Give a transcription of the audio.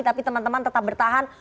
tapi teman teman tetap bertahan